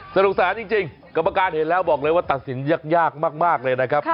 สนุกสนานจริงกรรมการเห็นแล้วบอกเลยว่าตัดสินยากมากเลยนะครับ